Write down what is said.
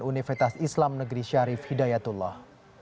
universitas islam negeri syarif hidayatullah